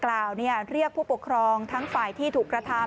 เรียกผู้ปกครองทั้งฝ่ายที่ถูกกระทำ